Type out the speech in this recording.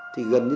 thì gần như